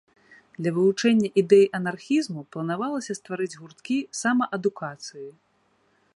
Для вывучэння ідэй анархізму планавалася стварыць гурткі самаадукацыі.